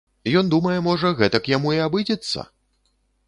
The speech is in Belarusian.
Ён думае можа, гэтак яму і абыдзецца!